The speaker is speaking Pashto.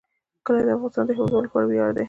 کلي د افغانستان د هیوادوالو لپاره ویاړ دی.